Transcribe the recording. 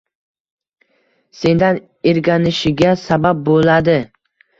Sendan irganishiga sabab bo‘ladi.